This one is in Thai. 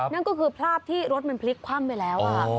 นั่นก็คือภาพที่รถมันพลิกคว่ำไปแล้ว